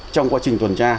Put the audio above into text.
trong quá trình tuần tra